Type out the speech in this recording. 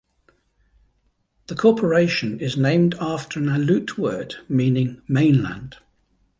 The corporation is named after an Aleut word meaning "mainland".